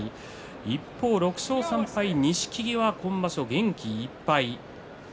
一方、６勝３敗の錦木は今場所元気いっぱい。